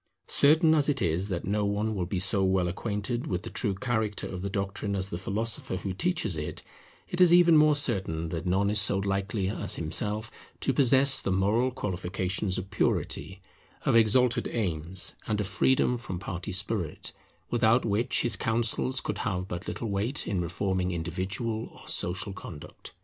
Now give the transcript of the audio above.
Certain as it is that no one will be so well acquainted with the true character of the doctrine as the philosopher who teaches it, it is even more certain that none is so likely as himself to possess the moral qualifications of purity, of exalted aims, and of freedom from party spirit, without which his counsels could have but little weight in reforming individual or social conduct.